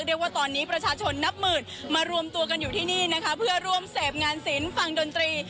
เรียกว่าตอนนี้ประชาชนนับหมื่นมารวมตัวกันอยู่ที่นี่นะคะเพื่อร่วมเสพงานศิลป์ฟังดนตรี